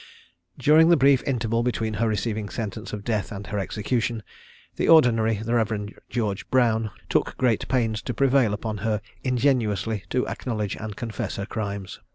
During the brief interval between her receiving sentence of death and her execution, the ordinary, the Rev. George Brown, took great pains to prevail upon her ingenuously to acknowledge and confess her crimes.